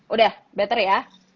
udah better ya